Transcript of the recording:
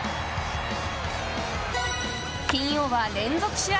金曜は連続試合